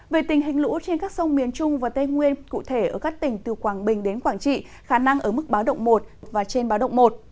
về tình hình lũ trên các sông miền trung và tây nguyên cụ thể ở các tỉnh từ quảng bình đến quảng trị khả năng ở mức báo động một và trên báo động một